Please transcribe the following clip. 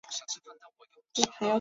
专辑中也收录了几首韩版歌曲。